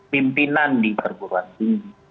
pimpinan di perguruan tinggi